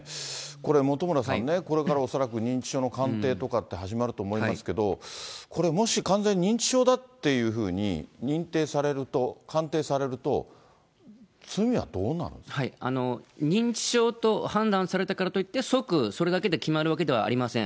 本村さんね、これから恐らく認知症の鑑定とかって始まると思いますけど、これもし完全に認知症だっていうふうに認定されると、鑑定されると、認知症と判断されたからといって、即、それだけで決まるわけではありません。